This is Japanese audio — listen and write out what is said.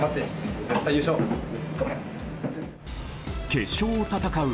決勝を戦う